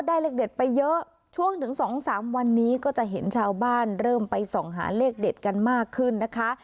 เลขเด็ดไปเยอะช่วงถึงสองสามวันนี้ก็จะเห็นชาวบ้านเริ่มไปส่องหาเลขเด็ดกันมากขึ้นนะคะ